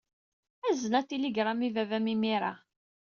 Azen atiligṛam i baba-m imir-a.